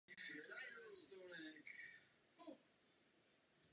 Grant Warwick.